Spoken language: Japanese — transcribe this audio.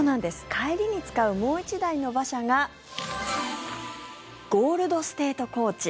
帰りに使う、もう１台の馬車がゴールド・ステート・コーチ。